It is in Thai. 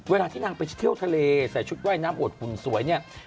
เวลาที่นางไปเที่ยวทะเลใส่ชุดว่ายน้ำอวดหุ่นสวยเนี่ย